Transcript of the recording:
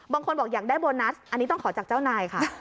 บางคนบอกอยากได้โบนัสอันนี้ต้องขอจากเจ้านายค่ะ